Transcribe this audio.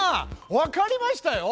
わかりましたよ。